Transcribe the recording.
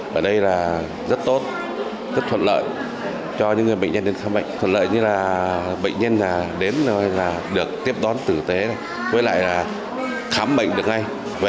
bệnh nhân đến được tiếp đón tử tế với lại khám bệnh được ngay